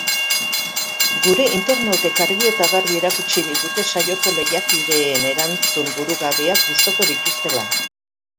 Gure internautek argi eta garbi erakutsi digute saioko lehiakideen erantzun burugabeak gustuko dituztela.